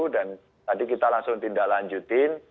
dan tadi kita langsung tindak lanjutin